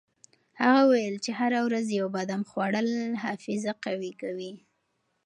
هغه وویل چې هره ورځ یو بادام خوړل حافظه قوي کوي.